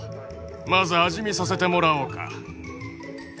まず味見させてもらおうか。